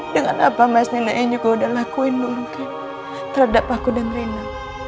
dengan apa mas nino yang juga udah lakuin mungkin terhadap aku dan reina